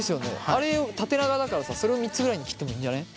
あれ縦長だからそれを３つぐらいに切ってもいいんじゃね？